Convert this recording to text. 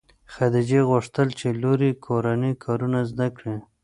خدیجې غوښتل چې لور یې کورني کارونه زده کړي.